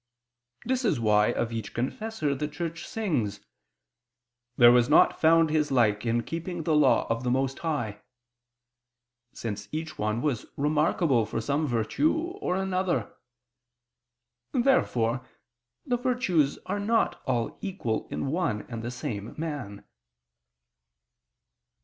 This is why of each Confessor the Church sings: "There was not found his like in keeping the law of the most High," [*See Lesson in the Mass Statuit (Dominican Missal)], since each one was remarkable for some virtue or other. Therefore the virtues are not all equal in one and the same man.